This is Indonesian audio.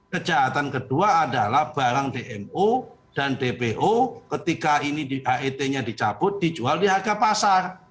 kejahatan kedua adalah barang dmo dan dpo ketika ini het nya dicabut dijual di harga pasar